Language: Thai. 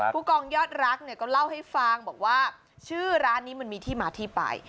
ผู้กองยอดรักเนี่ยก็เล่าให้ฟังบอกว่าชื่อร้านนี้มันมีที่มาที่ไป